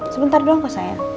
sebentar doang kok sayang